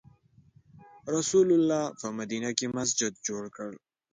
رسول الله په مدینه کې مسجد جوړ کړ.